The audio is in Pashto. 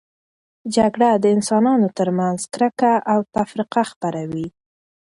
جګړه د انسانانو ترمنځ کرکه او تفرقه خپروي.